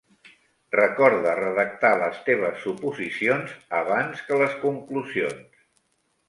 Recorda redactar les teves suposicions abans que les conclusions.